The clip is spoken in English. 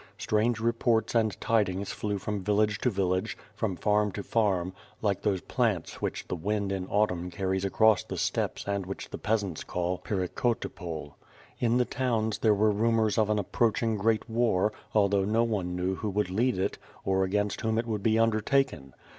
Strange reports and tidings flew from village to village, from farm to farm, like those plants which 'Wie wind in Autumn carries across the steppes and which the peaaants call perekotypol. In the towns there were rumors of an ap proaching great war, although no one knew who would lead it, or against whom it would be undertaken.